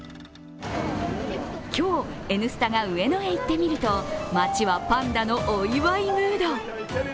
今日、「Ｎスタ」が上野へ行ってみると街はパンダのお祝いムード。